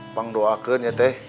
pang doakan ya teh